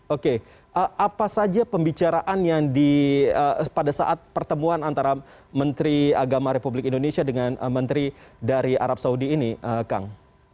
oke apa saja pembicaraan yang pada saat pertemuan antara menteri agama republik indonesia dengan menteri dari arab saudi ini kang